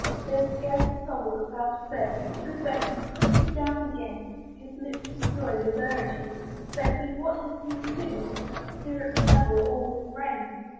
There's scarce a soul that's out of bed; Good Betty! put him down again; His lips with joy they burr at you, But, Betty! what has he to do With stirrup, saddle, or with rein?